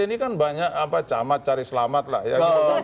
di sini kan banyak apa camat cari selamat lah ya